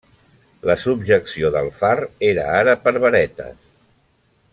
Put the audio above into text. La subjecció del far era ara per varetes.